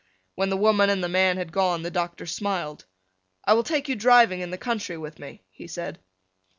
When the woman and the man had gone the doctor smiled. "I will take you driving into the country with me," he said.